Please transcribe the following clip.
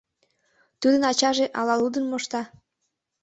Тудын ачаже ала лудын мошта.